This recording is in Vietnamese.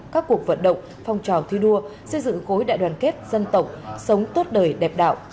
các cuộc vận động phong trào thi đua xây dựng khối đại đoàn kết dân tộc sống tốt đời đẹp đạo